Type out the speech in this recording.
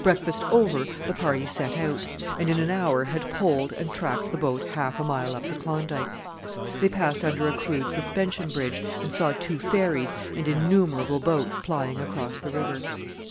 Breakfast over, the party set out, and in an hour had poled and tracked the boat half a mile up the Klondike. They passed under a crude suspension bridge and saw two ferries and innumerable boats plying across the river.